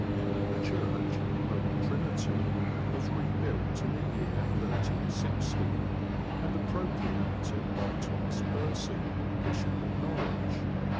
The church (Holy Trinity) was rebuilt in the year 1360, and appropriated by Thomas Percy, Bishop of Norwich.